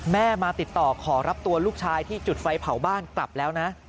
แม่มาติดต่อขอรับตัวลูกชายที่จุดไฟเผาบ้านกลับแล้วนะ